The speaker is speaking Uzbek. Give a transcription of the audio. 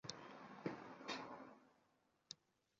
Ammo bu nimasi